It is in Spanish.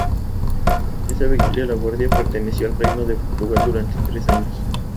Con esta victoria La Guardia perteneció al Reino de Portugal durante tres años.